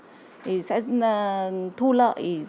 thì sẽ thu lợi